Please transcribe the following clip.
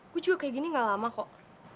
gue juga kayak gini gak lama kok